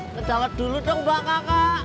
kejawat dulu dong mbak kakak